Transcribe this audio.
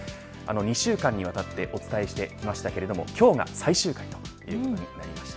２週間にわたってお伝えしてきましたけれども今日が最終回ということになりました。